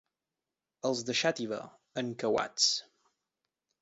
Els de Xàtiva, encauats.